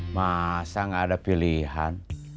masa nggak ada pilihan